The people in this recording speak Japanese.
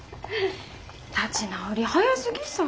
立ち直り早すぎさ。